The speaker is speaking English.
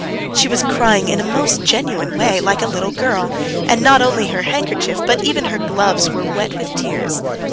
She was crying in a most genuine way, like a little girl, and not only her handkerchief, but even her gloves, were wet with tears.